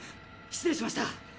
失礼しました。